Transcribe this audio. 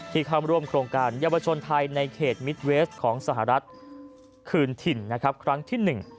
ที่ความร่วมโครงการยาวชนไทยในเขตมิดเวสของสหรัฐคืนถิ่นครั้งที่๑